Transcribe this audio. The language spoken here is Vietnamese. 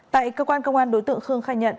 tại cơ quan công an đối tượng khương khai nhận